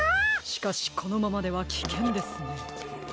しかしこのままではきけんですね。